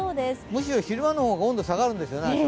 むしろ昼間の方が温度下がるんですよね。